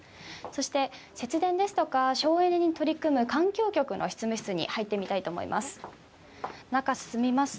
そして節電ですとか省エネに取り組む環境局の執務室に入ってみたいと思います。